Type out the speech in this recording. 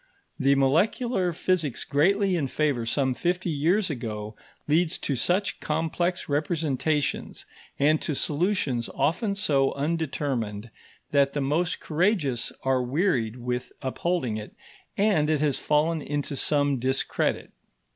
The molecular physics greatly in favour some fifty years ago leads to such complex representations and to solutions often so undetermined, that the most courageous are wearied with upholding it and it has fallen into some discredit.